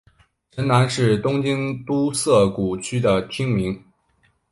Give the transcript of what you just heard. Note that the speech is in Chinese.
神南是东京都涩谷区的町名。